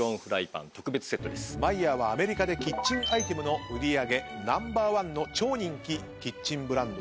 マイヤーはアメリカでキッチンアイテムの売り上げナンバーワンの超人気キッチンブランドです。